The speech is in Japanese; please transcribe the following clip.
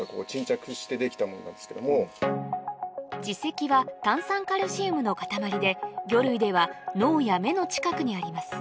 耳石は炭酸カルシウムの塊で魚類では脳や目の近くにあります